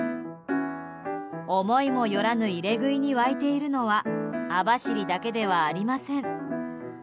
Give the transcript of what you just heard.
思いもよらぬ入れ食いに沸いているのは網走だけではありません。